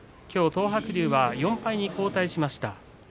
きょう東白龍は４敗に後退しました。